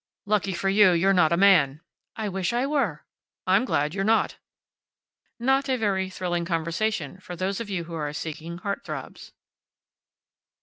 "Lucky for you you're not a man." "I wish I were." "I'm glad you're not." Not a very thrilling conversation for those of you who are seeking heartthrobs.